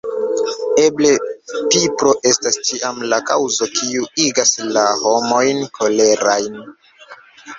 Eble pipro estas ĉiam la kaŭzo kiu igas la homojn koleraj.